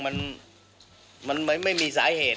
มันไม่มีสาเหตุ